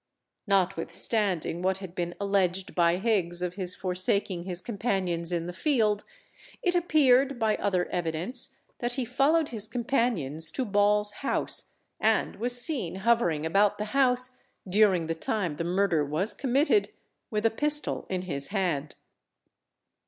Notwithstanding what had been alleged by Higgs of his forsaking his companions in the field, it appeared by other evidence that he followed his companions to Ball's house, and was seen hovering about the house during the time the murder was committed, with a pistol in his hand.